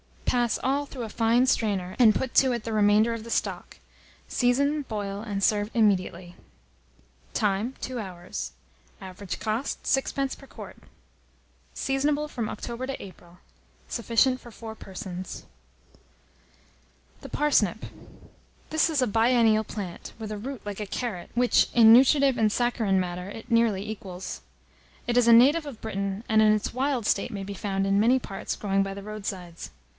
Pass all through a fine strainer, and put to it the remainder of the stock. Season, boil, and serve immediately. Time. 2 hours. Average cost, 6d. per quart. Seasonable from October to April. Sufficient for 4 persons. THE PARSNIP. This is a biennial plant, with a root like a carrot, which, in nutritive and saccharine matter, it nearly equals. It is a native of Britain, and, in its wild state, may be found, in many parts, growing by the road sides.